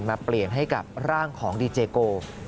มาเปลี่ยนให้กับร่างของดีเจโก